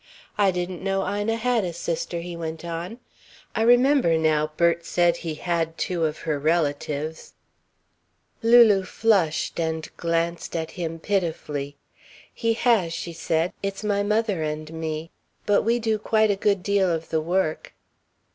"I didn't know Ina had a sister," he went on. "I remember now Bert said he had two of her relatives " Lulu flushed and glanced at him pitifully. "He has," she said. "It's my mother and me. But we do quite a good deal of the work."